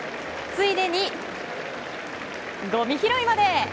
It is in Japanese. ついでに、ごみ拾いまで。